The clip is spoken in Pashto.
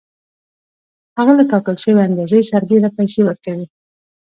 هغه له ټاکل شوې اندازې سربېره پیسې ورکوي